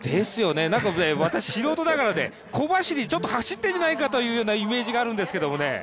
私、素人ながら小走りでちょっと走っているんじゃないかというイメージがあるんですけどね。